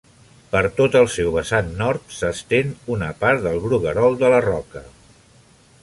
Per tot el seu vessant nord s'estén una part del Bruguerol de la Roca.